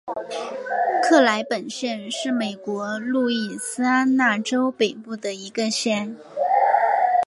克莱本县是美国路易斯安那州北部的一个县。